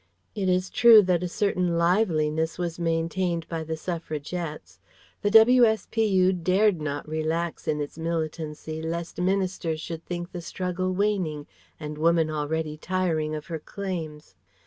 It is true that a certain liveliness was maintained by the Suffragettes. The W.S.P.U. dared not relax in its militancy lest Ministers should think the struggle waning and Woman already tiring of her claims.